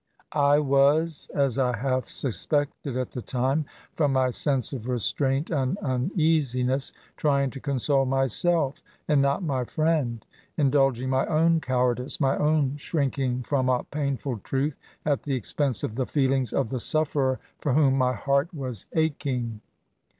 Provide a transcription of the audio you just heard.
I was (as I half suspected at the time, from my sense of restraint and uneasiness J trying to console myself, and not my friend; indulging my own cowardice, my own shrinking from a painful truth, at the expense of the feelings of the sufferer for whom my heart was aching.